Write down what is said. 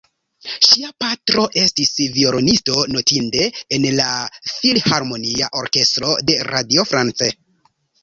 Ŝia patro, estis violonisto notinde en la filharmonia orkestro de Radio France.